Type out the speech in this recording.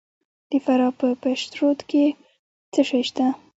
د فراه په پشترود کې څه شی شته؟